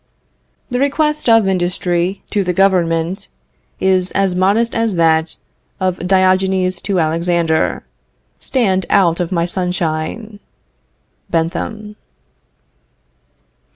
"The request of Industry to the government is as modest as that of Diogenes to Alexander: 'Stand out of my sunshine.'" BENTHAM.